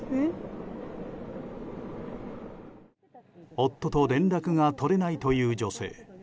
夫と連絡が取れないという女性。